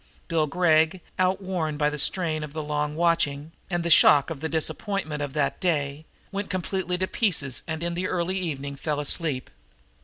Bill Gregg, outworn by the strain of the long watching and the shock of the disappointment of that day, went completely to pieces and in the early evening fell asleep.